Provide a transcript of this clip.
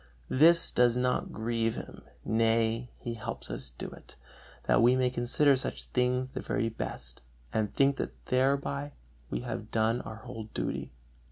This does not grieve him, nay, he helps us do it, that we may consider such things the very best, and think that thereby we have done our whole duty.